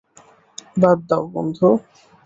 বাদ দাও বন্ধু।